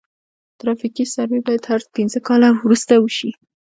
ترافیکي سروې باید هر پنځه کاله وروسته وشي